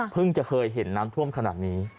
จะเคยเห็นน้ำท่วมขนาดนี้